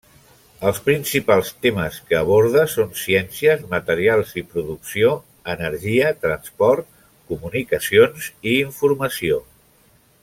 Els principals temes que aborda són ciències, materials i producció, energia, transport, comunicacions i informació.